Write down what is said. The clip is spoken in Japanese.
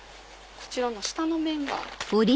こちらの下の面が。